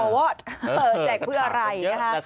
โปรวอตแจกเพื่ออะไร